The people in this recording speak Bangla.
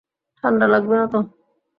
ঠাণ্ডা লাগবে না তো?